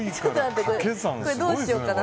どうしようかな。